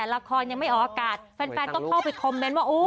ละครยังไม่ออกอากาศแฟนก็เข้าไปคอมเมนต์ว่า